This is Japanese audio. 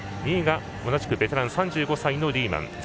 ２位が同じくベテラン３５歳のリーマン。